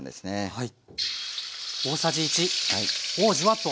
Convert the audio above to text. はい。